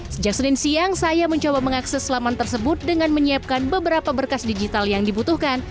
sejak senin siang saya mencoba mengakses laman tersebut dengan menyiapkan beberapa berkas digital yang dibutuhkan